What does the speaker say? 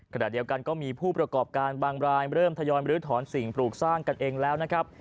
ขณะเดียวกันก็มีผู้ประกอบการบางรายเริ่มทยอยมรื้อถอนสิ่งปลูกสร้างกันเองแล้วนะครับ